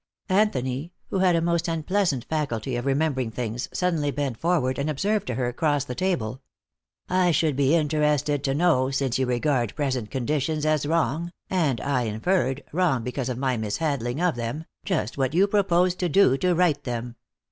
Anthony, who had a most unpleasant faculty of remembering things, suddenly bent forward and observed to her, across the table: "I should be interested to know, since you regard present conditions as wrong, and, I inferred, wrong because of my mishandling of them, just what you would propose to do to right them."